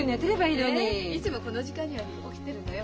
いつもこの時間には起きてるのよ。